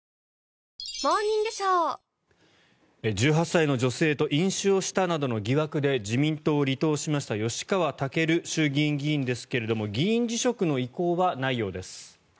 １８歳の女性と飲酒をしたなどの疑惑で自民党を離党しました吉川赳衆議院議員ですけども議員辞職の意向はないようです。